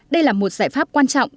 đây là một giải pháp quan trọng